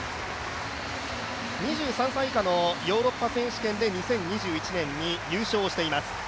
２３歳以下のヨーロッパ選手権で２０２１年に優勝しています。